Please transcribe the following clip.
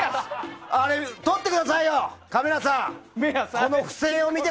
それ、とってくださいよカメラさん！